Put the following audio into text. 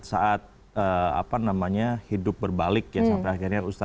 saat hidup berbalik ya sampai akhirnya